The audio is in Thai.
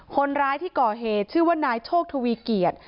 คนร้ายที่ก่อเหตุชื่อว่านายโชคทวีเกียรติ